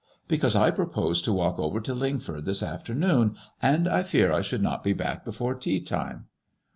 '* Because I propose to walk over to Lingford this afternoon, and I fear I should not be back before tea time."